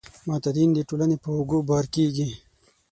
معتادین د ټولنې په اوږو بار کیږي.